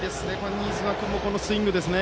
新妻君のこのスイングですね。